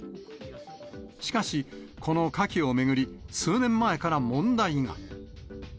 しかし、このカキを巡り、数年前から問題が。